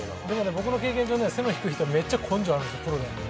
僕の経験上、背の低い人めっちゃ根性があるんですよ。